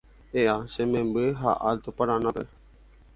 E'a che memby ha Alto Paranáme